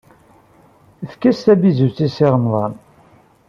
Efk-as tabizut i Si Remḍan!